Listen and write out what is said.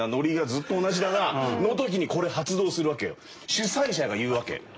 主催者が言うわけ。